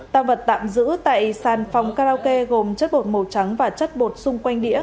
tăng vật tạm giữ tại sàn phòng karaoke gồm chất bột màu trắng và chất bột xung quanh đĩa